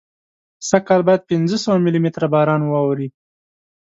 سږکال باید پینځه سوه ملي متره باران واوري.